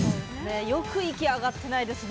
よく息上がってないですね。